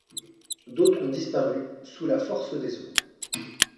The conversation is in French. D'autres ont disparu sous la force des eaux.